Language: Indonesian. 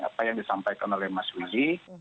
apa yang disampaikan oleh mas willy